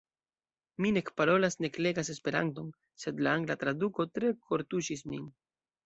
Mi nek parolas nek legas Esperanton, sed la angla traduko tre kortuŝis min.